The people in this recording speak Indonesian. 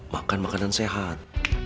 makan makanan sehat